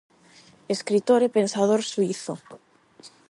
Escritor e pensador suízo.